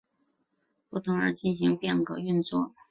噶哈巫语只有代词本身会依格位之不同而进行变格运作。